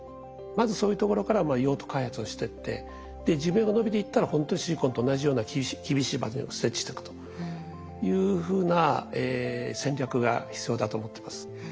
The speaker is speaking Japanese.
まずそういうところから用途開発をしてって寿命がのびていったらほんとにシリコンと同じような厳しい場所に設置していくというふうな戦略が必要だと思ってます。